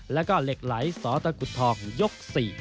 แล้วก็เหล็กไหลสตกุฎทองยก๔